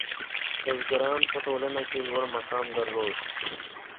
• بزګران په ټولنه کې لوړ مقام درلود.